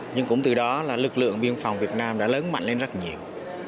nhưng cũng từ đó là lực lượng biên phòng việt nam đã lớn mạnh lên rất nhiều